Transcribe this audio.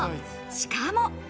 しかも。